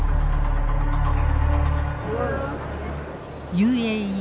ＵＡＥ